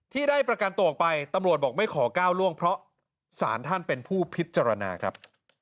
ที่ได้ประกันตัวออกไปตำรวจบอกไม่ขอก้าวล่วงเพราะสารท่านเป็นผู้พิจารณาครับ